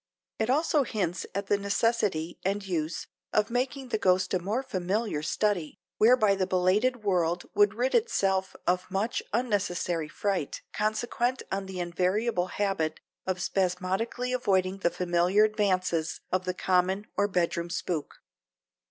It also hints at the necessity, and use, of making the ghost a more familiar study, whereby the belated world would rid itself of much unnecessary fright, consequent on the invariable habit of spasmodically avoiding the familiar advances of the common or bedroom spook.